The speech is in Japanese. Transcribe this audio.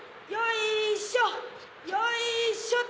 よいしょ！